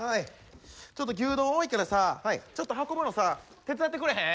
ちょっと牛丼多いからさちょっと運ぶのさ手伝ってくれへん？